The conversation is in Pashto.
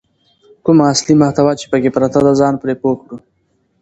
کومه اصلي محتوا چې پکې پرته ده ځان پرې پوه کړو.